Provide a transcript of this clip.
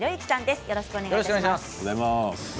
よろしくお願いします。